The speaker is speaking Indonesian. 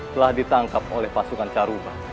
telah ditangkap oleh pasukan caruba